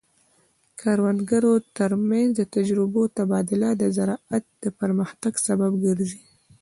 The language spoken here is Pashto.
د کروندګرو ترمنځ د تجربو تبادله د زراعت د پرمختګ سبب ګرځي.